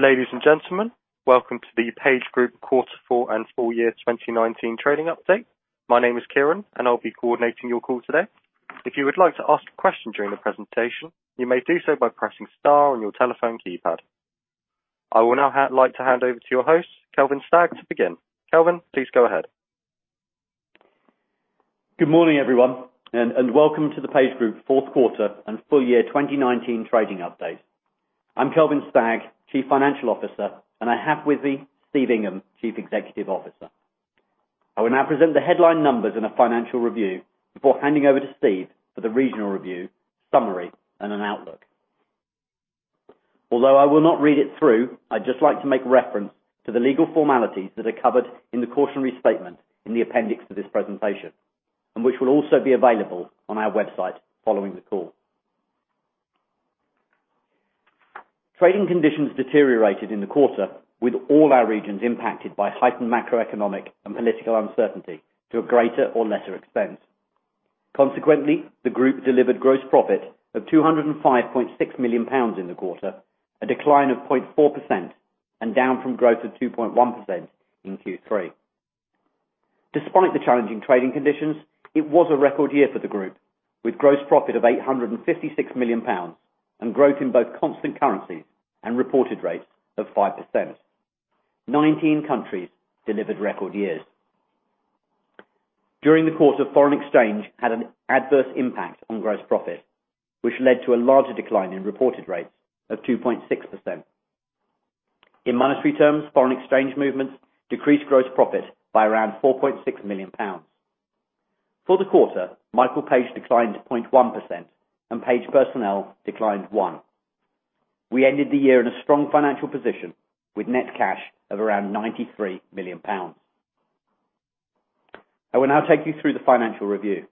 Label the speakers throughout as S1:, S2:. S1: Ladies and gentlemen, welcome to the PageGroup Quarter four and full year 2019 trading update. My name is Kieran and I'll be coordinating your call today. If you would like to ask a question during the presentation, you may do so by pressing star on your telephone keypad. I will now like to hand over to your host, Kelvin Stagg, to begin. Kelvin, please go ahead.
S2: Good morning, everyone, welcome to the PageGroup fourth quarter and full year 2019 trading update. I'm Kelvin Stagg, Chief Financial Officer, and I have with me Steve Ingham, Chief Executive Officer. I will now present the headline numbers and a financial review before handing over to Steve for the regional review, summary and an outlook. Although I will not read it through, I'd just like to make reference to the legal formalities that are covered in the cautionary statement in the appendix for this presentation and which will also be available on our website following the call. Trading conditions deteriorated in the quarter with all our regions impacted by heightened macroeconomic and political uncertainty to a greater or lesser extent. Consequently, the group delivered Gross Profit of 205.6 million pounds in the quarter, a decline of 0.4% and down from growth of 2.1% in Q3. Despite the challenging trading conditions, it was a record year for the group, with gross profit of 856 million pounds and growth in both constant currencies and reported rates of 5%. 19 countries delivered record years. During the course of foreign exchange had an adverse impact on gross profit, which led to a larger decline in reported rates of 2.6%. In monetary terms, foreign exchange movements decreased gross profit by around 4.6 million pounds. For the quarter, Michael Page declined to 0.1% and Page Personnel declined 1%. We ended the year in a strong financial position with net cash of around 93 million pounds. I will now take you through the financial review.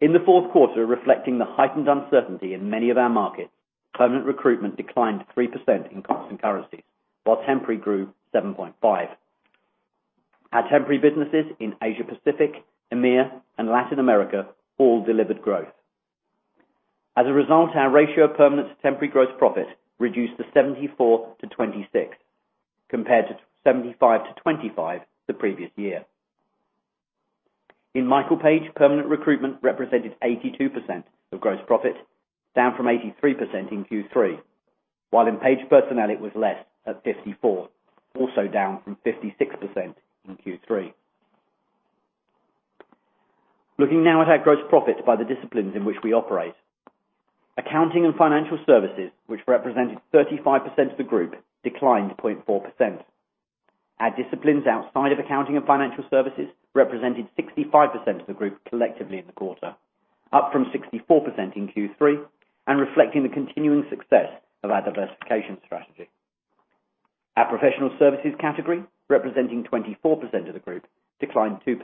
S2: In the fourth quarter, reflecting the heightened uncertainty in many of our markets, permanent recruitment declined 3% in constant currencies, while temporary grew 7.5%. Our temporary businesses in Asia Pacific, EMEA, and Latin America all delivered growth. As a result, our ratio of permanent to temporary gross profit reduced to 74 to 26, compared to 75 to 25 the previous year. In Michael Page, permanent recruitment represented 82% of gross profit, down from 83% in Q3. While in Page Personnel, it was less, at 54, also down from 56% in Q3. Looking now at our gross profit by the disciplines in which we operate. Accounting and financial services, which represented 35% of the group, declined 0.4%. Our disciplines outside of accounting and financial services represented 65% of the group collectively in the quarter, up from 64% in Q3 and reflecting the continuing success of our diversification strategy. Our professional services category, representing 24% of the group, declined 2%.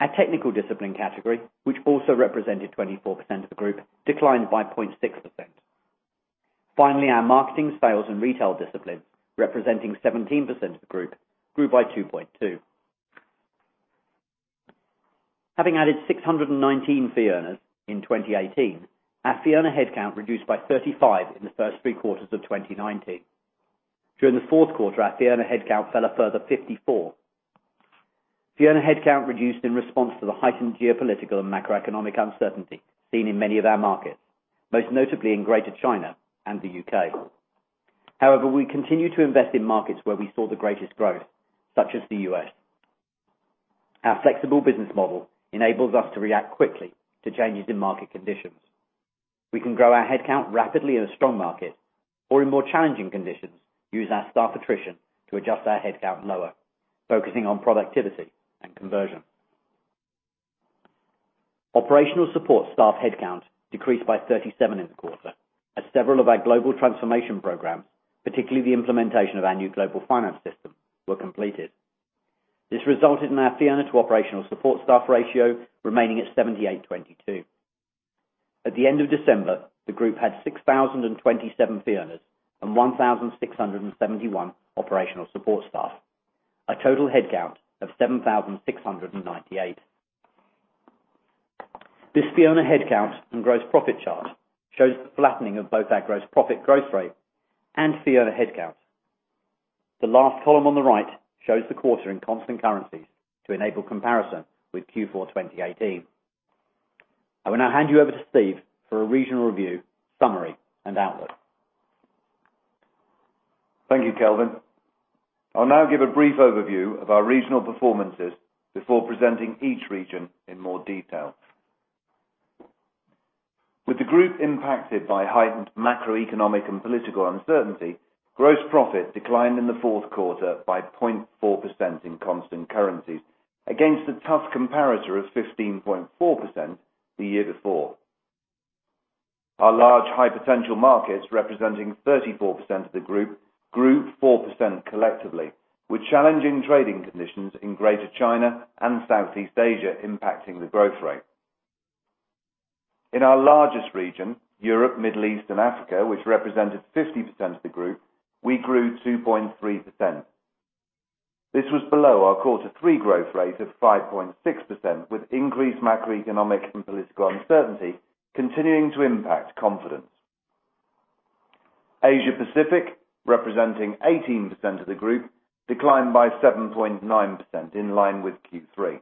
S2: Our technical discipline category, which also represented 24% of the group, declined by 0.6%. Finally, our marketing, sales and retail discipline, representing 17% of the group, grew by 2.2%. Having added 619 fee earners in 2018, our fee earner headcount reduced by 35 in the first three quarters of 2019. During the fourth quarter, our fee earner headcount fell a further 54. Fee earner headcount reduced in response to the heightened geopolitical and macroeconomic uncertainty seen in many of our markets, most notably in Greater China and the U.K. However, we continue to invest in markets where we saw the greatest growth, such as the U.S. Our flexible business model enables us to react quickly to changes in market conditions. We can grow our headcount rapidly in a strong market or in more challenging conditions, use our staff attrition to adjust our headcount lower, focusing on productivity and conversion. Operational support staff headcount decreased by 37 in the quarter as several of our global transformation programs, particularly the implementation of our new global finance system, were completed. This resulted in our fee earner to operational support staff ratio remaining at 78/22. At the end of December, the group had 6,027 fee earners and 1,671 operational support staff, a total headcount of 7,698. This fee earner headcount and gross profit chart shows the flattening of both our gross profit growth rate and fee earner headcount. The last column on the right shows the quarter in constant currencies to enable comparison with Q4 2018. I will now hand you over to Steve for a regional review, summary and outlook.
S3: Thank you, Kelvin. I'll now give a brief overview of our regional performances before presenting each region in more detail. With the group impacted by heightened macroeconomic and political uncertainty, gross profit declined in the fourth quarter by 0.4% in constant currencies against a tough comparator of 15.4% the year before. Our large high potential markets, representing 34% of the group, grew 4% collectively with challenging trading conditions in Greater China and Southeast Asia impacting the growth rate. In our largest region, Europe, Middle East and Africa, which represented 50% of the group, we grew 2.3%. This was below our quarter three growth rate of 5.6%, with increased macroeconomic and political uncertainty continuing to impact confidence. Asia Pacific, representing 18% of the group, declined by 7.9%, in line with Q3.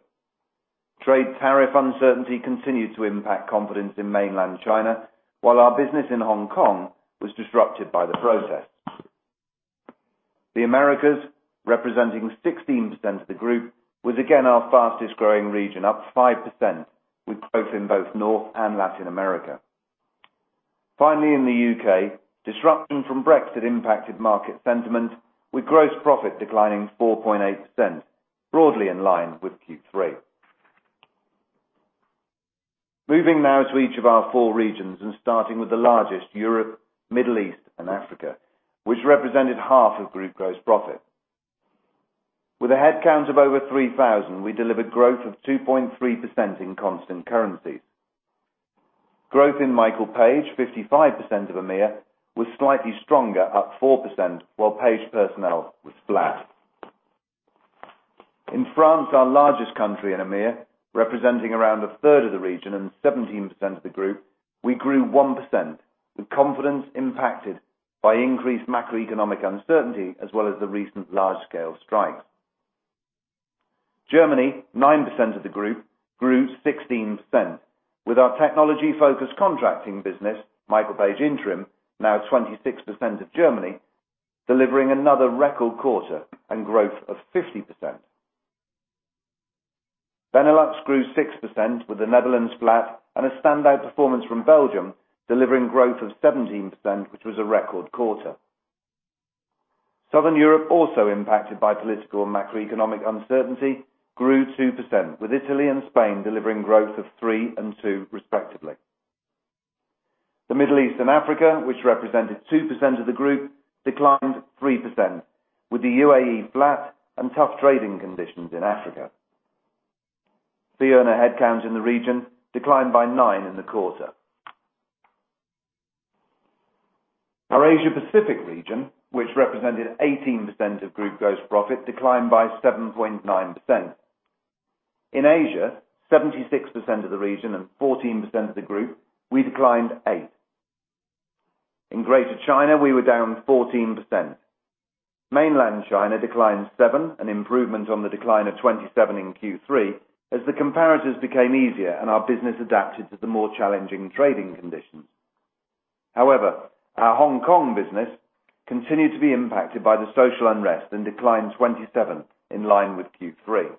S3: Trade tariff uncertainty continued to impact confidence in Mainland China, while our business in Hong Kong was disrupted by the protests. The Americas, representing 16% of the group, was again our fastest-growing region, up 5%, with growth in both North and Latin America. Finally, in the U.K., disruption from Brexit impacted market sentiment, with gross profit declining 4.8%, broadly in line with Q3. Moving now to each of our four regions and starting with the largest, Europe, Middle East, and Africa, which represented half of group gross profit. With a headcount of over 3,000, we delivered growth of 2.3% in constant currencies. Growth in Michael Page, 55% of EMEA, was slightly stronger, up 4%, while Page Personnel was flat. In France, our largest country in EMEA, representing around a third of the region and 17% of the group, we grew 1%, with confidence impacted by increased macroeconomic uncertainty, as well as the recent large-scale strikes. Germany, 9% of the group, grew 16%, with our technology-focused contracting business, Michael Page Interim, now 26% of Germany, delivering another record quarter and growth of 50%. Benelux grew 6%, with the Netherlands flat and a standout performance from Belgium delivering growth of 17%, which was a record quarter. Southern Europe, also impacted by political and macroeconomic uncertainty, grew 2%, with Italy and Spain delivering growth of 3% and 2% respectively. The Middle East and Africa, which represented 2% of the group, declined 3%, with the UAE flat and tough trading conditions in Africa. The earner headcount in the region declined by nine in the quarter. Our Asia Pacific region, which represented 18% of group gross profit, declined by 7.9%. In Asia, 76% of the region and 14% of the group, we declined 8%. In Greater China, we were down 14%. Mainland China declined 7%, an improvement on the decline of 27% in Q3, as the comparatives became easier and our business adapted to the more challenging trading conditions. However, our Hong Kong business continued to be impacted by the social unrest and declined 27%, in line with Q3.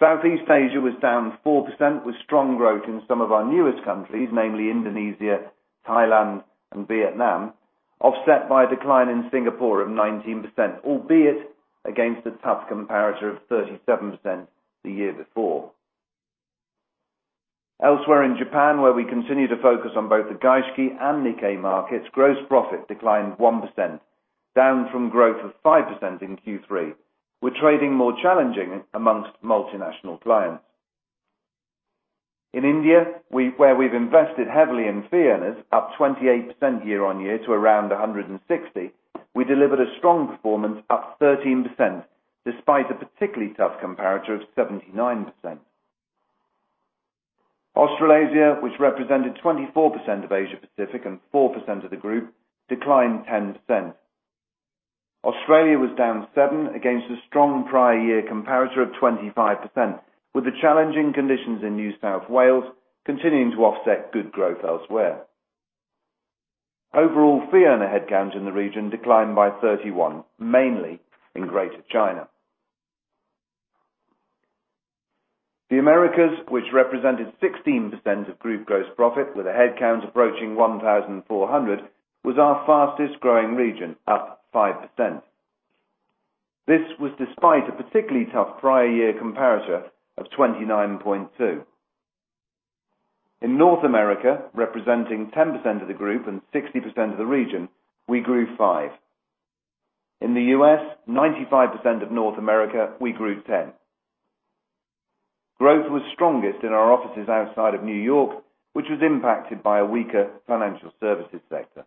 S3: Southeast Asia was down 4%, with strong growth in some of our newest countries, namely Indonesia, Thailand, and Vietnam, offset by a decline in Singapore of 19%, albeit against a tough comparator of 37% the year before. Elsewhere in Japan, where we continue to focus on both the Gaishi and Nikkei markets, gross profit declined 1%, down from growth of 5% in Q3, with trading more challenging amongst multinational clients. In India, where we've invested heavily in fee earners, up 28% year on year to around 160, we delivered a strong performance up 13%, despite a particularly tough comparator of 79%. Australasia, which represented 24% of Asia Pacific and 4% of the group, declined 10%. Australia was down 7% against a strong prior year comparator of 25%, with the challenging conditions in New South Wales continuing to offset good growth elsewhere. Overall fee earner headcount in the region declined by 31, mainly in Greater China. The Americas, which represented 16% of group gross profit with a headcount approaching 1,400, was our fastest-growing region, up 5%. This was despite a particularly tough prior year comparator of 29.2%. In North America, representing 10% of the group and 60% of the region, we grew 5%. In the U.S., 95% of North America, we grew 10%. Growth was strongest in our offices outside of New York, which was impacted by a weaker financial services sector.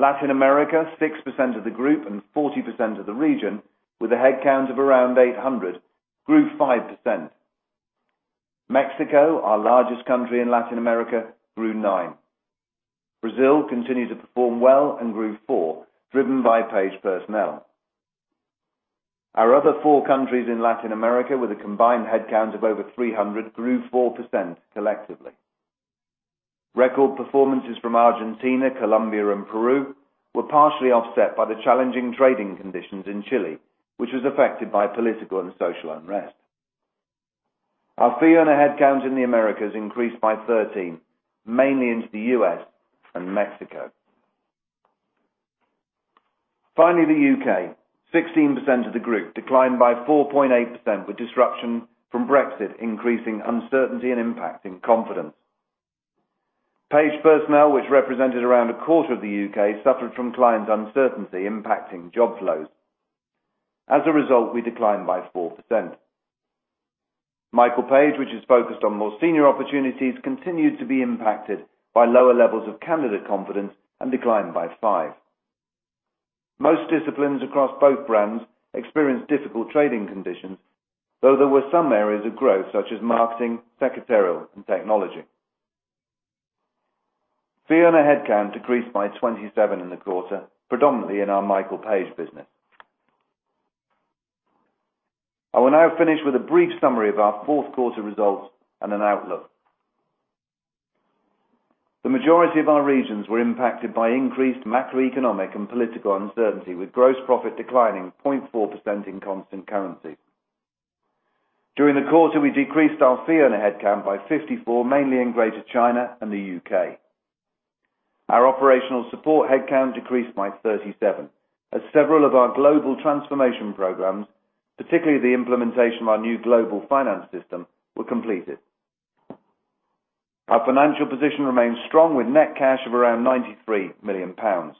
S3: Latin America, 6% of the group and 40% of the region, with a headcount of around 800, grew 5%. Mexico, our largest country in Latin America, grew 9%. Brazil continued to perform well and grew 4%, driven by Page Personnel. Our other four countries in Latin America with a combined headcount of over 300 grew 4% collectively. Record performances from Argentina, Colombia, and Peru were partially offset by the challenging trading conditions in Chile, which was affected by political and social unrest. Our fee earner headcount in the Americas increased by 13, mainly into the U.S. and Mexico. Finally, the U.K., 16% of the group declined by 4.8% with disruption from Brexit increasing uncertainty and impacting confidence. Page Personnel, which represented around a quarter of the U.K., suffered from client uncertainty, impacting job flows. As a result, we declined by 4%. Michael Page, which is focused on more senior opportunities, continued to be impacted by lower levels of candidate confidence and declined by 5%. Most disciplines across both brands experienced difficult trading conditions, though there were some areas of growth, such as marketing, secretarial, and technology. Fee and headcount decreased by 27 in the quarter, predominantly in our Michael Page business. I will now finish with a brief summary of our fourth quarter results and an outlook. The majority of our regions were impacted by increased macroeconomic and political uncertainty, with gross profit declining 0.4% in constant currency. During the quarter, we decreased our fee and our headcount by 54, mainly in Greater China and the U.K. Our operational support headcount decreased by 37, as several of our global transformation programs, particularly the implementation of our new global finance system, were completed. Our financial position remains strong with net cash of around 93 million pounds.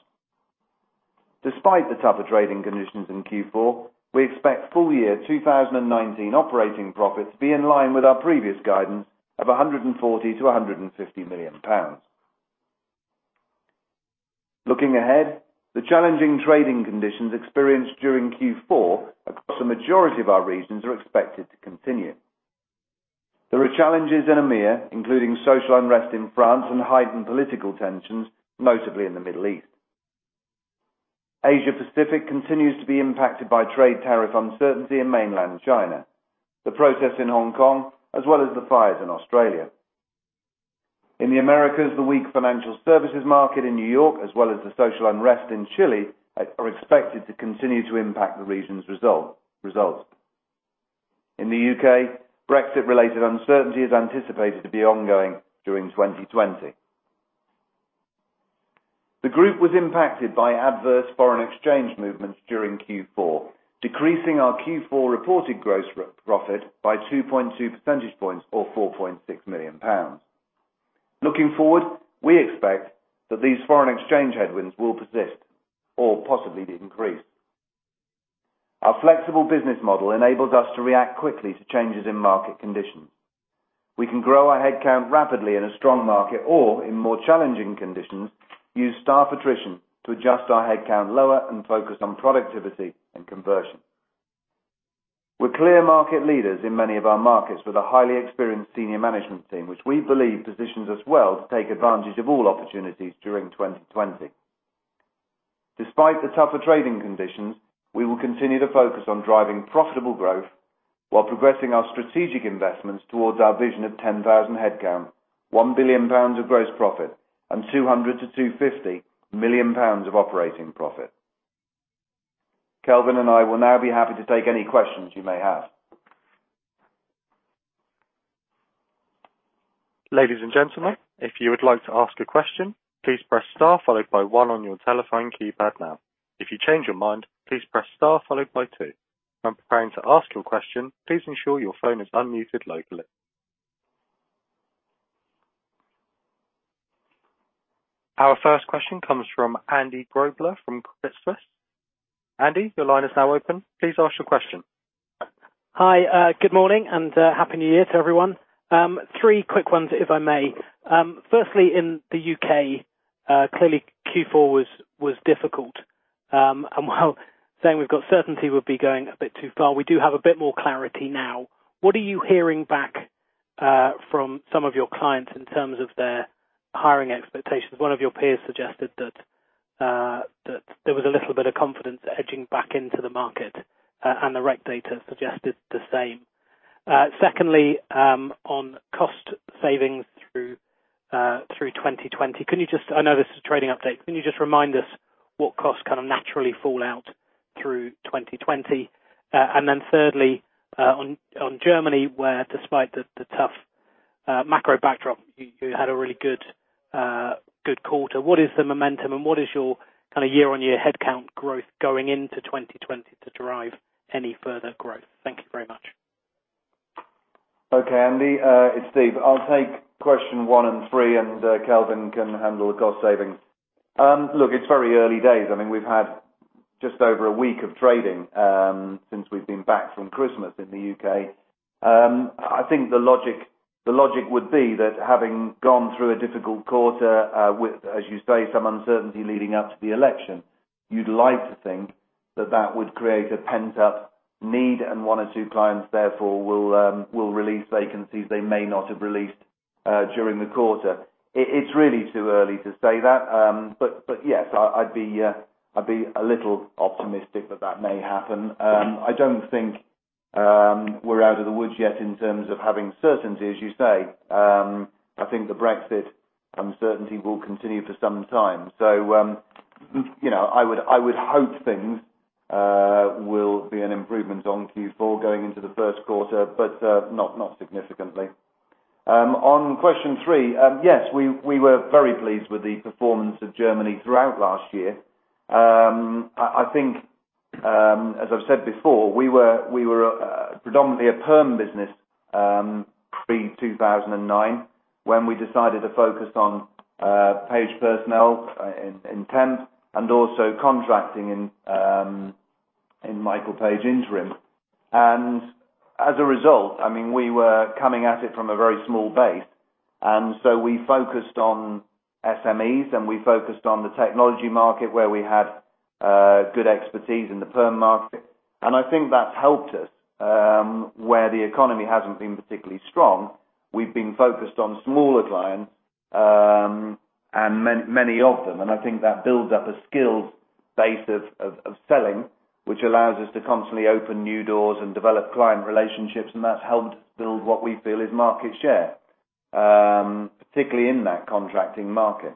S3: Despite the tougher trading conditions in Q4, we expect full year 2019 operating profits to be in line with our previous guidance of 140 million-150 million pounds. Looking ahead, the challenging trading conditions experienced during Q4 across the majority of our regions are expected to continue. There are challenges in EMEA, including social unrest in France and heightened political tensions, notably in the Middle East. Asia Pacific continues to be impacted by trade tariff uncertainty in Mainland China, the protests in Hong Kong, as well as the fires in Australia. In the Americas, the weak financial services market in New York, as well as the social unrest in Chile, are expected to continue to impact the region's results. In the U.K., Brexit-related uncertainty is anticipated to be ongoing during 2020. The group was impacted by adverse foreign exchange movements during Q4, decreasing our Q4 reported gross profit by 2.2 percentage points or 4.6 million pounds. Looking forward, we expect that these foreign exchange headwinds will persist or possibly increase. Our flexible business model enables us to react quickly to changes in market conditions. We can grow our headcount rapidly in a strong market or, in more challenging conditions, use staff attrition to adjust our headcount lower and focus on productivity and conversion. We're clear market leaders in many of our markets with a highly experienced senior management team, which we believe positions us well to take advantage of all opportunities during 2020. Despite the tougher trading conditions, we will continue to focus on driving profitable growth while progressing our strategic investments towards our vision of 10,000 headcount, 1 billion pounds of gross profit, and 200 million-250 million pounds of operating profit. Kelvin and I will now be happy to take any questions you may have.
S1: Ladies and gentlemen, if you would like to ask a question, please press star followed by one on your telephone keypad now. If you change your mind, please press star followed by two. When preparing to ask your question, please ensure your phone is unmuted locally. Our first question comes from Andy Grobler from Credit Suisse. Andy, your line is now open. Please ask your question.
S4: Hi. Good morning, and happy new year to everyone. Three quick ones, if I may. Firstly, in the U.K., clearly Q4 was difficult. While saying we've got certainty would be going a bit too far, we do have a bit more clarity now. What are you hearing back from some of your clients in terms of their hiring expectations? One of your peers suggested that there was a little bit of confidence edging back into the market, and the rec data suggested the same. Secondly, on cost savings through 2020. I know this is a trading update. Can you just remind us what costs naturally fall out through 2020? Thirdly, on Germany, where despite the tough macro backdrop, you had a really good quarter. What is the momentum and what is your year-on-year headcount growth going into 2020 to derive any further growth? Thank you very much.
S3: Okay, Andy. It's Steve. I'll take question one and three, and Kelvin can handle the cost savings. Look, it's very early days. We've had just over a week of trading since we've been back from Christmas in the U.K. I think the logic would be that having gone through a difficult quarter with, as you say, some uncertainty leading up to the election, you'd like to think that that would create a pent-up need and one or two clients therefore will release vacancies they may not have released during the quarter. It's really too early to say that. Yes, I'd be a little optimistic that that may happen. I don't think we're out of the woods yet in terms of having certainty, as you say. I think the Brexit uncertainty will continue for some time. I would hope things will be an improvement on Q4 going into the first quarter, but not significantly. On question three, yes, we were very pleased with the performance of Germany throughout last year. I think, as I've said before, we were predominantly a perm business Pre-2009, when we decided to focus on Page Personnel in temp and also contracting in Michael Page Interim. As a result, we were coming at it from a very small base. So we focused on SMEs and we focused on the technology market where we had good expertise in the perm market. I think that's helped us where the economy hasn't been particularly strong. We've been focused on smaller clients and many of them. I think that builds up a skills base of selling, which allows us to constantly open new doors and develop client relationships, and that's helped build what we feel is market share, particularly in that contracting market.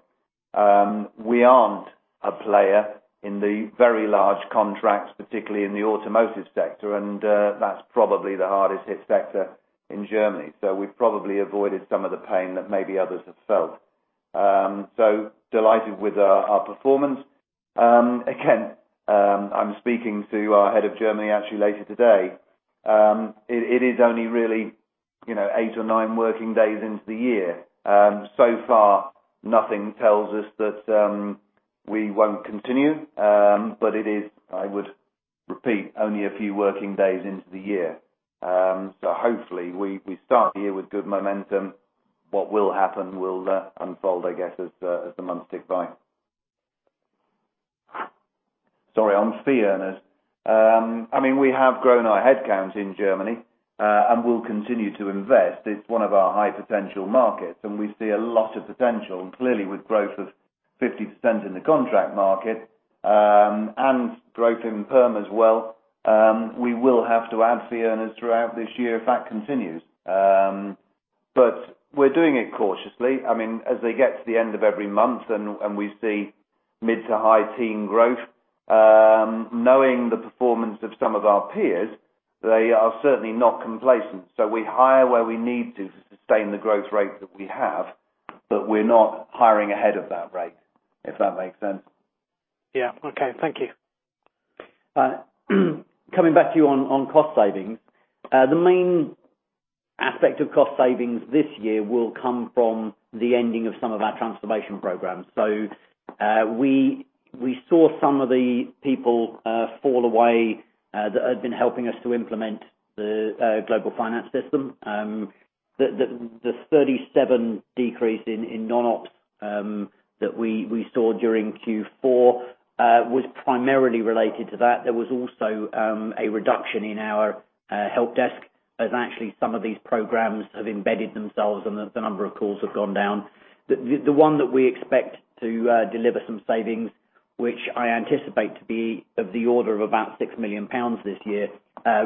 S3: We aren't a player in the very large contracts, particularly in the automotive sector, and that's probably the hardest hit sector in Germany. We've probably avoided some of the pain that maybe others have felt. Delighted with our performance. Again, I'm speaking to our head of Germany actually later today. It is only really eight or nine working days into the year. So far, nothing tells us that we won't continue. It is, I would repeat, only a few working days into the year. Hopefully we start the year with good momentum. What will happen will unfold, I guess, as the months tick by. Sorry, on fee earners. We have grown our headcounts in Germany. We'll continue to invest. It's one of our high potential markets, and we see a lot of potential. Clearly with growth of 50% in the contract market and growth in perm as well, we will have to add fee earners throughout this year if that continues. We're doing it cautiously. As they get to the end of every month and we see mid to high teen growth, knowing the performance of some of our peers, they are certainly not complacent. We hire where we need to sustain the growth rate that we have, but we're not hiring ahead of that rate, if that makes sense.
S4: Yeah. Okay. Thank you.
S2: Coming back to you on cost savings. The main aspect of cost savings this year will come from the ending of some of our transformation programs. We saw some of the people fall away that had been helping us to implement the global finance system. The 37 decrease in non-ops that we saw during Q4 was primarily related to that. There was also a reduction in our help desk as actually some of these programs have embedded themselves and the number of calls have gone down. The one that we expect to deliver some savings, which I anticipate to be of the order of about 6 million pounds this year,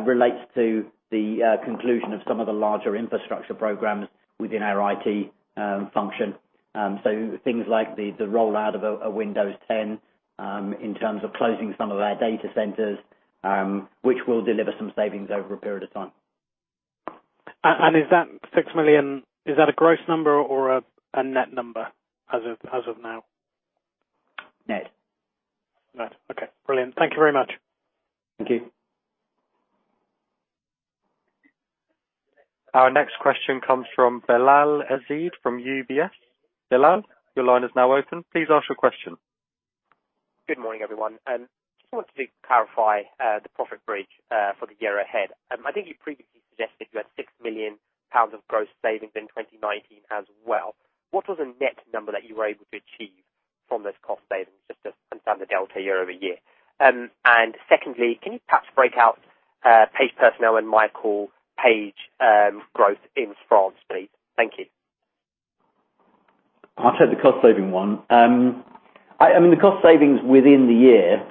S2: relates to the conclusion of some of the larger infrastructure programs within our IT function. Things like the rollout of Windows 10 in terms of closing some of our data centers which will deliver some savings over a period of time.
S4: Is that six million, is that a gross number or a net number as of now?
S2: Net.
S4: Net. Okay. Brilliant. Thank you very much.
S2: Thank you.
S1: Our next question comes from Bilal Aziz from UBS. Bilal, your line is now open. Please ask your question.
S5: Good morning, everyone. Just wanted to clarify the profit bridge for the year ahead. I think you previously suggested you had 6 million pounds of gross savings in 2019 as well. What was the net number that you were able to achieve from those cost savings, just to understand the delta year-over-year. Secondly, can you perhaps break out Page Personnel and Michael Page growth in France, please? Thank you.
S2: I'll take the cost saving one. The cost savings within the year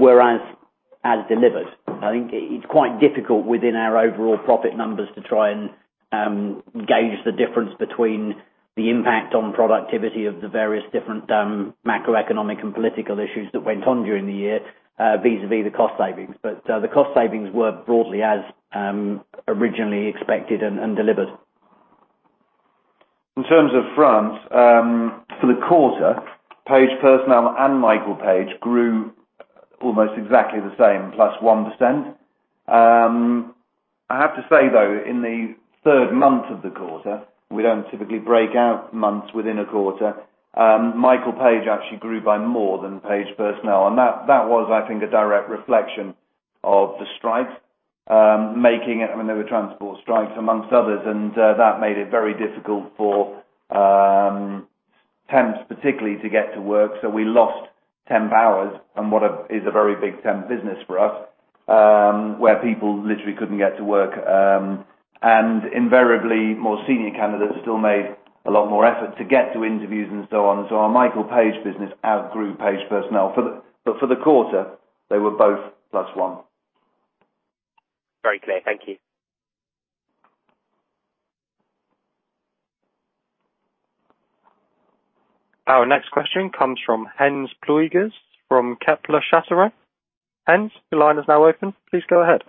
S2: were as delivered. I think it's quite difficult within our overall profit numbers to try and gauge the difference between the impact on productivity of the various different macroeconomic and political issues that went on during the year vis-a-vis the cost savings. The cost savings were broadly as originally expected and delivered.
S3: In terms of France, for the quarter, Page Personnel and Michael Page grew almost exactly the same, +1%. I have to say, though, in the third month of the quarter, we don't typically break out months within a quarter. Michael Page actually grew by more than Page Personnel. That was, I think, a direct reflection of the strikes. There were transport strikes amongst others. That made it very difficult for temps particularly to get to work. We lost temp hours on what is a very big temp business for us, where people literally couldn't get to work. Invariably, more senior candidates still made a lot more effort to get to interviews and so on. Our Michael Page business outgrew Page Personnel. For the quarter, they were both +1.
S5: Very clear. Thank you.
S1: Our next question comes from Hans Pluijgers from Kepler Cheuvreux. Hans, your line is now open. Please go ahead.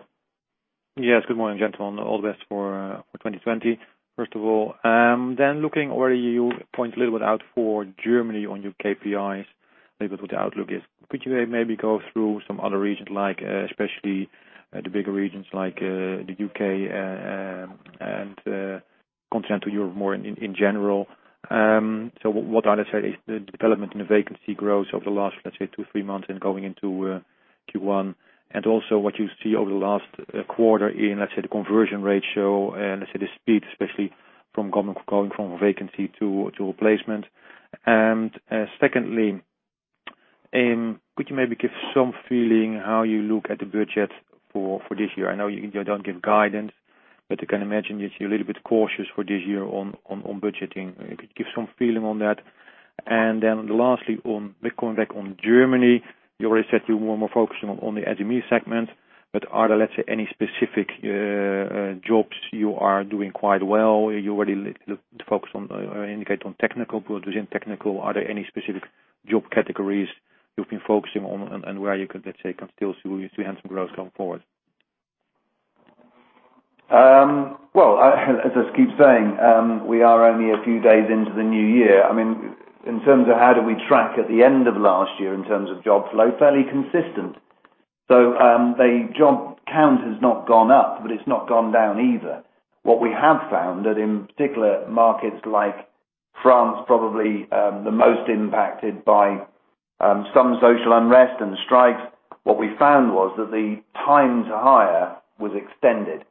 S6: Yes. Good morning, gentlemen. All the best for 2020, first of all. Looking already, you point a little bit out for Germany on your KPIs. Label to the outlook is. Could you maybe go through some other regions, especially the bigger regions like the U.K., and Continental Europe more in general? What are the development in the vacancy growth over the last, let's say, two, three months and going into Q1? Also what you see over the last quarter in, let's say, the conversion ratio and, let's say, the speed, especially going from vacancy to replacement. Secondly, could you maybe give some feeling how you look at the budget for this year? I know you don't give guidance, but I can imagine that you're a little bit cautious for this year on budgeting. If you could give some feeling on that. Lastly, coming back on Germany, you already said you were more focusing on the SME segment, are there, let's say, any specific jobs you are doing quite well? You already indicated on technical roles. Within technical, are there any specific job categories you've been focusing on, and where you could, let's say, can still see handsome growth going forward?
S3: Well, as I keep saying, we are only a few days into the new year. In terms of how do we track at the end of last year in terms of job flow, fairly consistent. The job count has not gone up, but it's not gone down either. What we have found that in particular markets like France, probably the most impacted by some social unrest and strikes, what we found was that the time to hire was extended.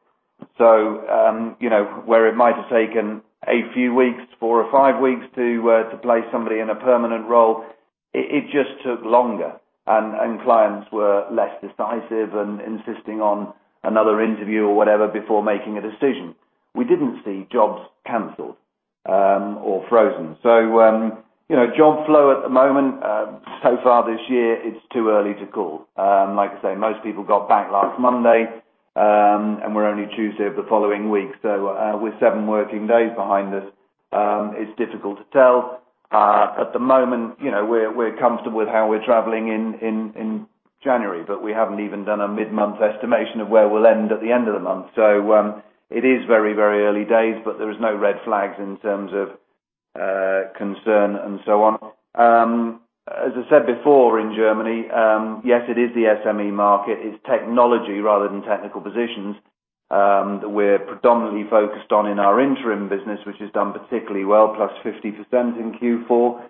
S3: Where it might have taken a few weeks, four or five weeks to place somebody in a permanent role, it just took longer, and clients were less decisive and insisting on another interview or whatever before making a decision. We didn't see jobs canceled or frozen. Job flow at the moment, so far this year, it's too early to call. Like I say, most people got back last Monday, and we're only Tuesday of the following week. With seven working days behind us, it's difficult to tell. At the moment, we're comfortable with how we're traveling in January, but we haven't even done a mid-month estimation of where we'll end at the end of the month. It is very early days, but there is no red flags in terms of concern and so on. As I said before, in Germany, yes, it is the SME market. It's technology rather than technical positions that we're predominantly focused on in our interim business, which has done particularly well, +50% in Q4.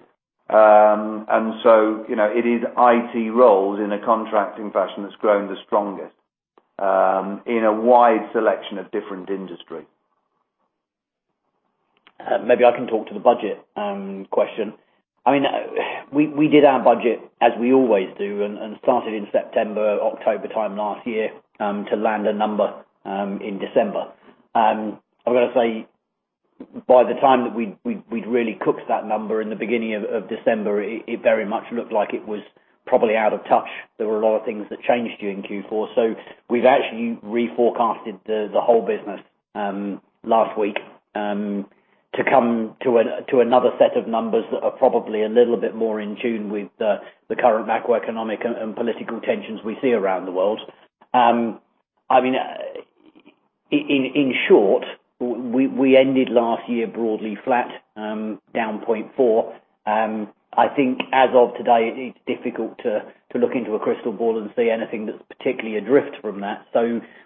S3: It is IT roles in a contracting fashion that's grown the strongest in a wide selection of different industry.
S2: Maybe I can talk to the budget question. We did our budget as we always do and started in September, October time last year, to land a number in December. I've got to say, by the time that we'd really cooked that number in the beginning of December, it very much looked like it was probably out of touch. There were a lot of things that changed during Q4. We've actually reforecasted the whole business last week, to come to another set of numbers that are probably a little bit more in tune with the current macroeconomic and political tensions we see around the world. In short, we ended last year broadly flat, down 0.4%. I think as of today, it's difficult to look into a crystal ball and see anything that's particularly adrift from that.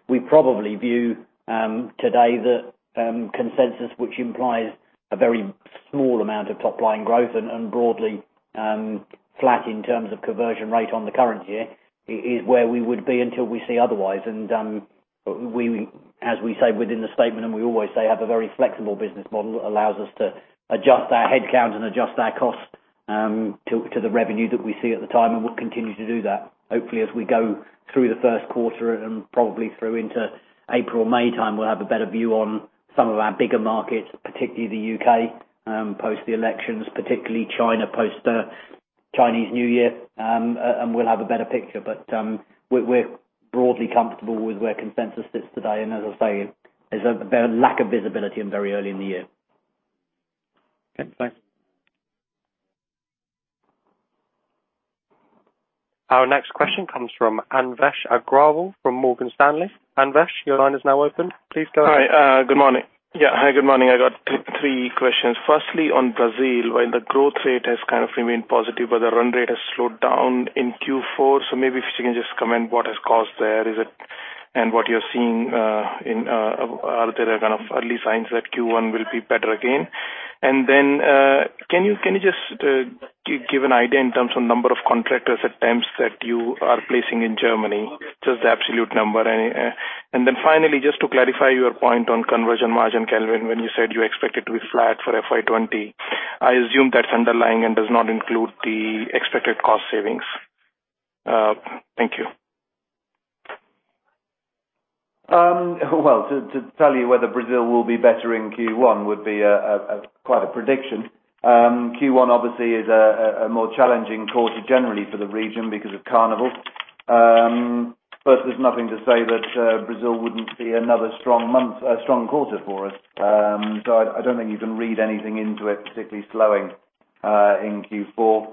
S2: We probably view today the consensus, which implies a very small amount of top-line growth and broadly flat in terms of conversion rate on the current year, is where we would be until we see otherwise. As we say within the statement and we always say, have a very flexible business model that allows us to adjust our headcounts and adjust our cost to the revenue that we see at the time, and we'll continue to do that. Hopefully, as we go through the first quarter and probably through into April, May time, we'll have a better view on some of our bigger markets, particularly the U.K., post the elections, particularly China, post the Chinese New Year, and we'll have a better picture. We're broadly comfortable with where consensus sits today, and as I say, there's a lack of visibility and very early in the year.
S6: Okay, thanks.
S1: Our next question comes from Anvesh Agrawal from Morgan Stanley. Anvesh, your line is now open. Please go ahead.
S7: Hi, good morning. Hi, good morning. I got three questions. On Brazil, when the growth rate has kind of remained positive, but the run rate has slowed down in Q4. Maybe if you can just comment what has caused there, and what you're seeing. Are there kind of early signs that Q1 will be better again? Can you just give an idea in terms of number of contractors attempts that you are placing in Germany? Just the absolute number. Finally, just to clarify your point on conversion margin, Kelvin, when you said you expect it to be flat for FY 2020, I assume that's underlying and does not include the expected cost savings. Thank you.
S3: Well, to tell you whether Brazil will be better in Q1 would be quite a prediction. Q1 obviously is a more challenging quarter generally for the region because of Carnival. There's nothing to say that Brazil wouldn't be another strong quarter for us. I don't think you can read anything into it particularly slowing in Q4.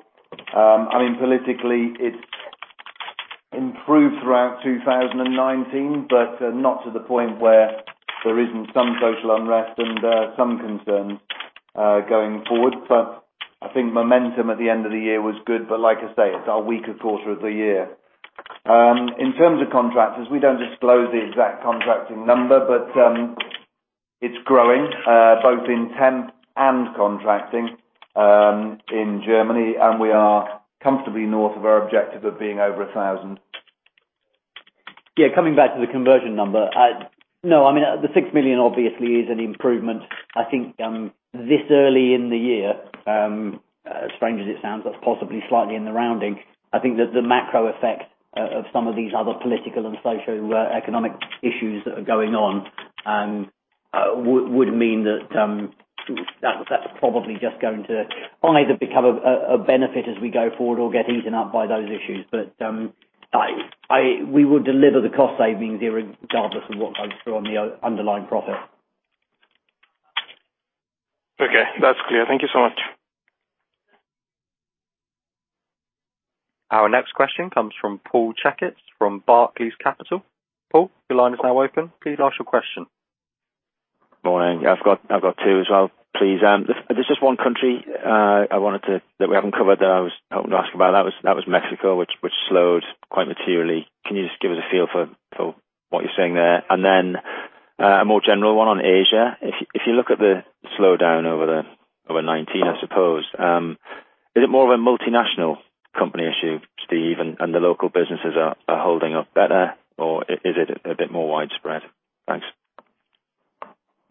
S3: Politically, it's improved throughout 2019, but not to the point where there isn't some social unrest and some concerns going forward. I think momentum at the end of the year was good, but like I say, it's our weaker quarter of the year. In terms of contractors, we don't disclose the exact contracting number, but it's growing both in temp and contracting in Germany, and we are comfortably north of our objective of being over 1,000.
S2: Yeah. Coming back to the conversion number. No, I mean, the 6 million obviously is an improvement. I think this early in the year, as strange as it sounds, that's possibly slightly in the rounding. I think that the macro effect of some of these other political and socioeconomic issues that are going on would mean that that's probably just going to either become a benefit as we go forward or get eaten up by those issues. We will deliver the cost savings there regardless of what goes through on the underlying profit.
S7: Okay, that's clear. Thank you so much.
S1: Our next question comes from Paul Checketts from Barclays Capital. Paul, your line is now open. Please ask your question.
S8: Morning. I've got two as well. Please. There's just one country that we haven't covered that I was hoping to ask about. That was Mexico, which slowed quite materially. Can you just give us a feel for what you're seeing there? A more general one on Asia. If you look at the slowdown over 2019, I suppose, is it more of a multinational company issue, Steve, and the local businesses are holding up better, or is it a bit more widespread? Thanks.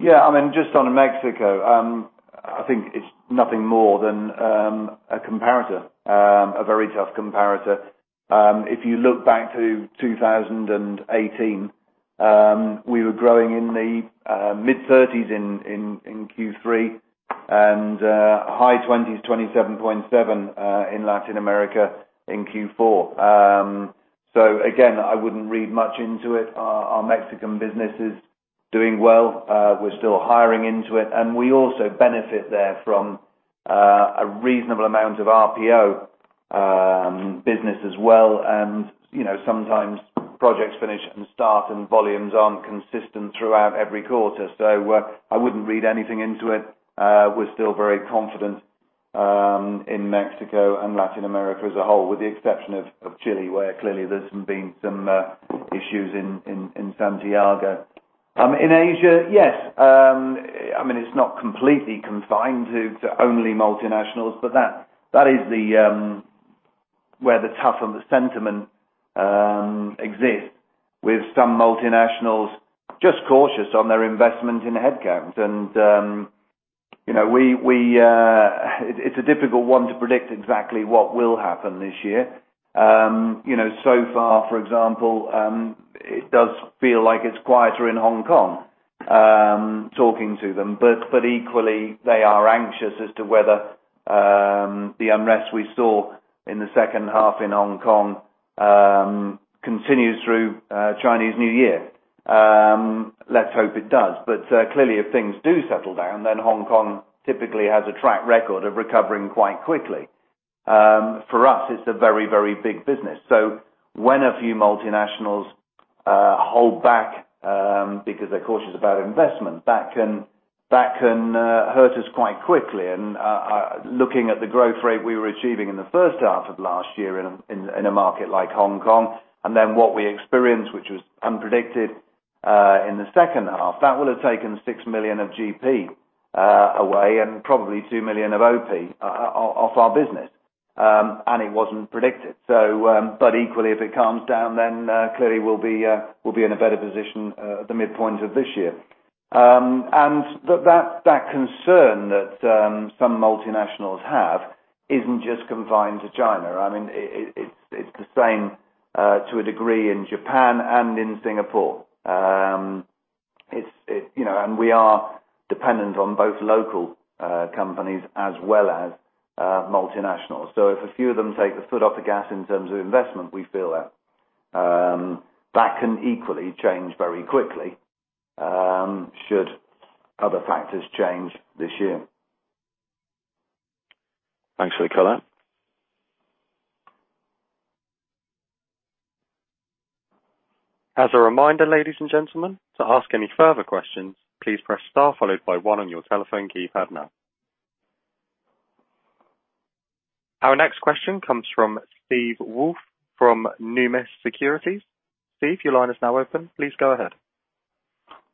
S3: Yeah. Just on Mexico, I think it's nothing more than a comparator, a very tough comparator. If you look back to 2018, we were growing in the mid-30s in Q3 and high 20s, 27.7, in Latin America in Q4. Again, I wouldn't read much into it. Our Mexican business is doing well. We're still hiring into it. We also benefit there from a reasonable amount of RPO business as well, and sometimes projects finish and start, and volumes aren't consistent throughout every quarter. I wouldn't read anything into it. We're still very confident in Mexico and Latin America as a whole, with the exception of Chile, where clearly there's been some issues in Santiago. In Asia, yes. It's not completely confined to only multinationals, but that is where the tougher sentiment exists with some multinationals just cautious on their investment in headcounts. It's a difficult one to predict exactly what will happen this year. So far, for example, it does feel like it's quieter in Hong Kong, talking to them. Equally, they are anxious as to whether the unrest we saw in the second half in Hong Kong continues through Chinese New Year. Let's hope it does. Clearly, if things do settle down, then Hong Kong typically has a track record of recovering quite quickly. For us, it's a very, very big business. When a few multinationals hold back because they're cautious about investment, that can hurt us quite quickly. Looking at the growth rate we were achieving in the first half of last year in a market like Hong Kong, then what we experienced, which was unpredicted in the second half, that will have taken 6 million of GP away and probably 2 million of OP off our business. It wasn't predicted. Equally, if it calms down, then clearly we'll be in a better position at the midpoint of this year. That concern that some multinationals have isn't just confined to China. It's the same to a degree in Japan and in Singapore. We are dependent on both local companies as well as multinationals. If a few of them take the foot off the gas in terms of investment, we feel that. That can equally change very quickly should other factors change this year.
S8: Thanks for the color.
S1: As a reminder, ladies and gentlemen, to ask any further questions, please press star followed by one on your telephone keypad now. Our next question comes from Steve Woolf from Numis Securities. Steve, your line is now open. Please go ahead.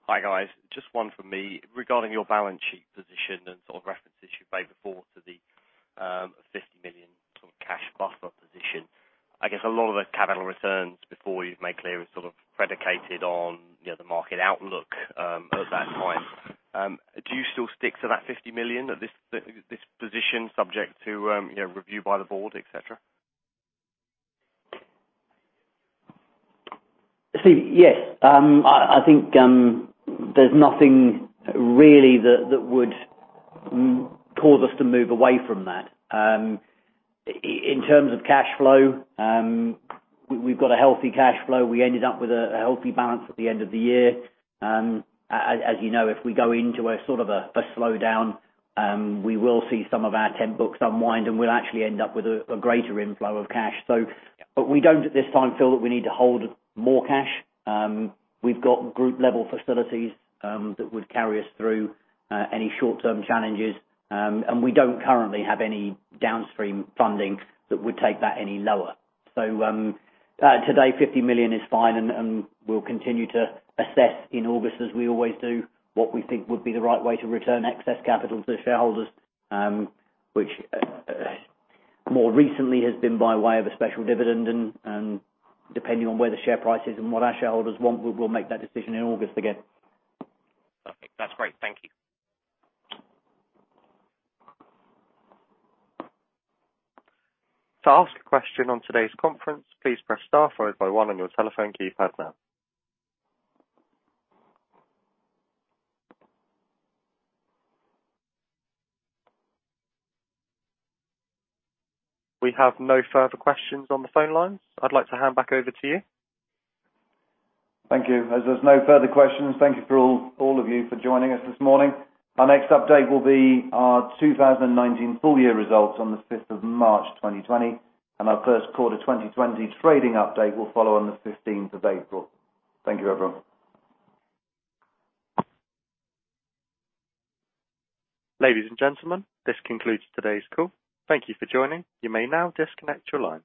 S9: Hi, guys. Just one from me regarding your balance sheet position and sort of references you've made before to the 50 million sort of cash buffer position. I guess a lot of those capital returns before you've made clear is sort of predicated on the market outlook at that time. Do you still stick to that 50 million at this position subject to review by the board, et cetera?
S2: Steve, yes. I think there's nothing really that would cause us to move away from that. In terms of cash flow, we've got a healthy cash flow. We ended up with a healthy balance at the end of the year. As you know, if we go into a sort of a slowdown, we will see some of our temp books unwind, and we'll actually end up with a greater inflow of cash. We don't at this time feel that we need to hold more cash. We've got group-level facilities that would carry us through any short-term challenges, and we don't currently have any downstream funding that would take that any lower. Today, 50 million is fine, and we'll continue to assess in August as we always do, what we think would be the right way to return excess capital to the shareholders, which more recently has been by way of a special dividend. Depending on where the share price is and what our shareholders want, we'll make that decision in August again.
S9: Perfect. That's great. Thank you.
S1: To ask a question on today's conference, please press star followed by one on your telephone keypad now. We have no further questions on the phone lines. I'd like to hand back over to you.
S3: Thank you. As there's no further questions, thank you for all of you for joining us this morning. Our next update will be our 2019 full year results on the 5th of March 2020. Our first quarter 2020 trading update will follow on the 15th of April. Thank you, everyone.
S1: Ladies and gentlemen, this concludes today's call. Thank you for joining. You may now disconnect your lines.